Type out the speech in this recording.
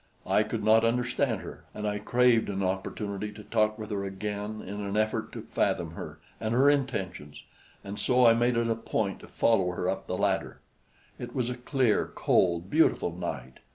I could not understand her, and I craved an opportunity to talk with her again in an effort to fathom her and her intentions, and so I made it a point to follow her up the ladder. It was a clear, cold, beautiful night.